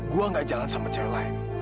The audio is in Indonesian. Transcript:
gue gak jalan sama cewek lain